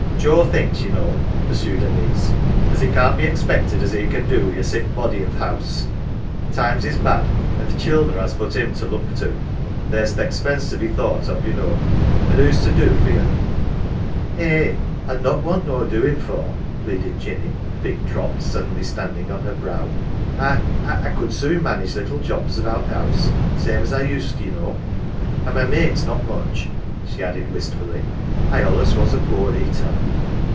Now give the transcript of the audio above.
"Joe thinks, ye know," pursued her niece, "as it can't lx? expected as he can do wi' a sick body i' th' 'ouse. Times is bad, an" th' childer has but him to look to. There's th' expense to be thought of, ye know, an" 1 who's to do for you ?"" Eh, I'd not want no doin' for," pleaded Jinny, big drops suddenly standing on her brow. " I I could soon manage little jobs about th' 'ouse, same as I used, ye know an' my mate's not much, 1 ' she added wistfully. " I allus was a poor eater."